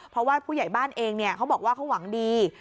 เพราะว่าผู้ใหญ่บ้านเองเขาบอกว่าเขาหวังดี